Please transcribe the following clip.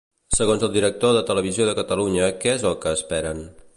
Segons el director de Televisió de Catalunya, què és el que esperen?